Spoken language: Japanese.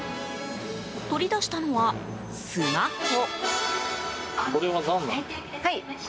取り出したのはスマホ。